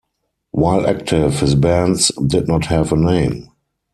While active, his bands did not have a name.